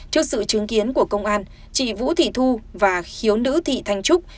trước sự chứng kiến của công an chị vũ thị thu và khiếu nữ thị thanh trúc